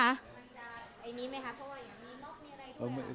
มันจะอันนี้ไหมคะเพราะว่าอย่างนี้นอกมีอะไรด้วย